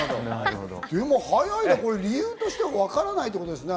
でも早いな、理由としてはわからないってことですね？